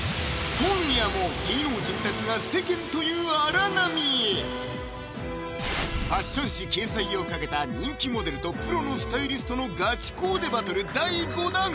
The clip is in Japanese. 今夜も芸能人たちが世間という荒波へファッション誌掲載を懸けた人気モデルとプロのスタイリストのガチコーデバトル第５弾！